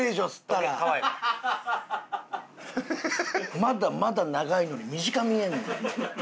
まだまだ長いのに短見えんねん。